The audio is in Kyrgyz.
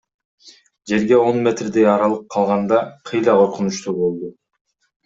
Жерге он метрдей аралык калганда кыйла коркунучтуу болду.